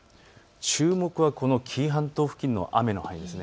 注目はこの紀伊半島付近の雨の範囲です。